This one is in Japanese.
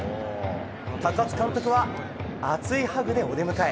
高津監督は熱いハグでお出迎え。